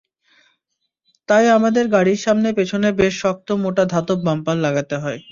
তাই আমাদের গাড়ির সামনে পেছনে বেশ শক্ত মোটা ধাতব বাম্পার লাগাতে হয়।